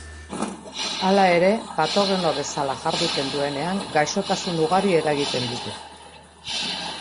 Hala ere, patogeno bezala jarduten duenean gaixotasun ugari eragiten ditu.